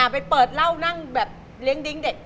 ไปเปิดเหล้านั่งแบบเลี้ยงดิ้งเด็ก